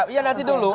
iya nanti dulu